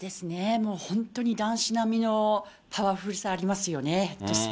もう本当に男子並みのパワフルさありますよね。